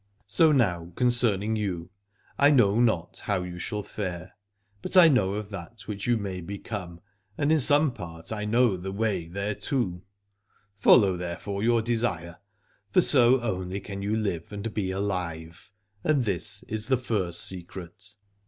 So now concerning you, I know not how you shall fare, but I know of that which you may become, and in some part I know the way thereto. Follow there fore your desire, for so only can you live and be alive, and this is the first secret.